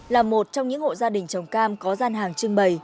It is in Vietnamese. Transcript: là một trong những hộ gia đình trồng cam có gian hàng trưng bày